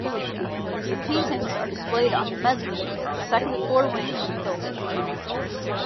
The paintings are displayed on the mezzanine and second floor wing of the building.